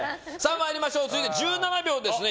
続いて１７秒ですね。